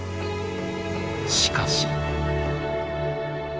［しかし］